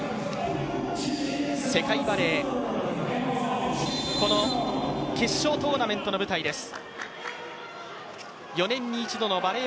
世界バレーの決勝トーナメントの舞台です。